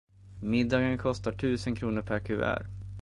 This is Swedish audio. Middagen kostar tusen kronor per kuvert.